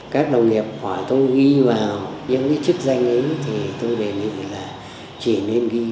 các đồng nghiệp hỏi tôi ghi vào những cái chức danh ấy thì tôi đề nghị là chỉ nên ghi